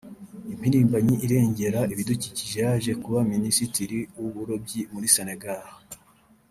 impirimbanyi irengera ibidukikije yaje kuba Minisitiri w’uburobyi muri Senegal